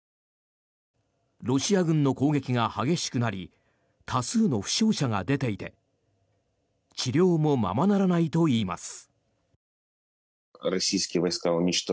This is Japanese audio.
ロシア軍の攻撃が激しくなり多数の負傷者が出ていて治療もままならないといいます。